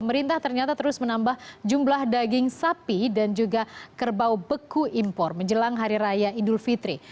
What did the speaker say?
pemerintah ternyata terus menambah jumlah daging sapi dan juga kerbau beku impor menjelang hari raya idul fitri